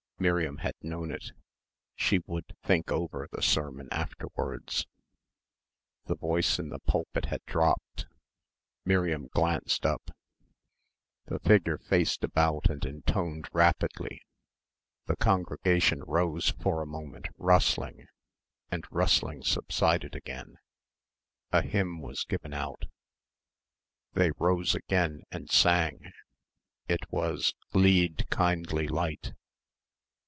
Miriam had known it. She would "think over" the sermon afterwards.... The voice in the pulpit had dropped. Miriam glanced up. The figure faced about and intoned rapidly, the congregation rose for a moment rustling, and rustling subsided again. A hymn was given out. They rose again and sang. It was "Lead, Kindly Light."